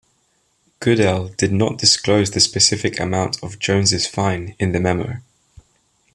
Goodell did not disclose the specific amount of Jones' fine in the memo.